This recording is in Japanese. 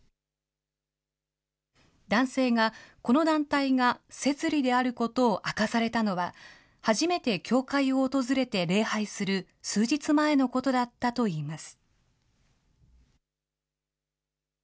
男性が、この団体が摂理であることを明かされたのは、初めて教会を訪れて礼拝する数日前のことだったといいます。